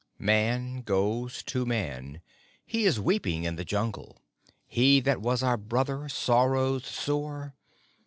Man goes to Man! He is weeping in the Jungle: He that was our Brother sorrows sore!